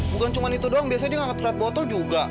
bukan cuma itu doang biasanya dia nggak ngetreet botol juga